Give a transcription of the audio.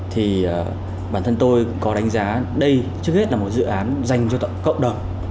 thì bản thân tôi có đánh giá đây trước hết là một dự án dành cho cộng đồng